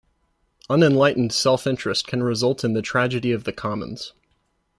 Unenlightened self-interest can result in the tragedy of the commons.